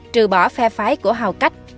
trừ bỏ phe phái của hào cách